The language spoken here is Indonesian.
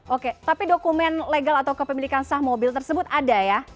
oke tapi dokumen legal atau kepemilikan sah mobil tersebut ada ya